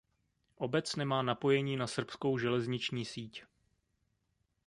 Obec nemá napojení na srbskou železniční síť.